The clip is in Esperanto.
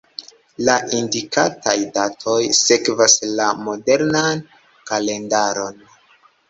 La indikitaj datoj sekvas la modernan kalendaron.